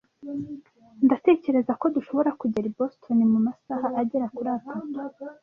Ndatekereza ko dushobora kugera i Boston mumasaha agera kuri atatu.